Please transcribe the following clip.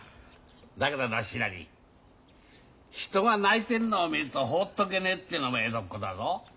だけどなしらり人が泣いてんのを見ると放っとけねえってのも江戸っ子だぞ。